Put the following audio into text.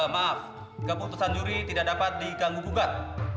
maaf keputusan juri tidak dapat diganggu gugat